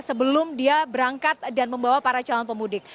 sebelum dia berangkat dan membawa para calon pemudik